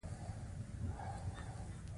او ده خپله مور په غېږ کې ټینګه ونیوله.